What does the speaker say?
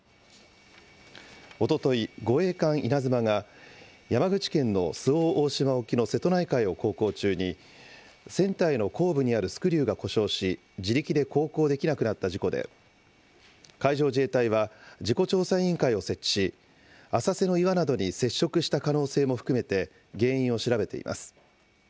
おととい、護衛艦いなづまが、山口県の周防大島沖の瀬戸内海を航行中に、船体の後部にあるスクリューが故障し、自力で航行できなくなった事故で、海上自衛隊は事故調査委員会を設置し、浅瀬の岩などに接触した可能性も含めて、原因を調べています。